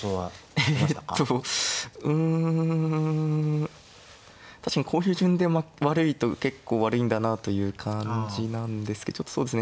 えっとうん確かにこういう順で悪いと結構悪いんだなという感じなんですけどちょっとそうですね。